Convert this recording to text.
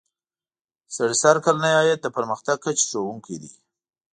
سړي سر کلنی عاید د پرمختګ کچې ښودونکی دی.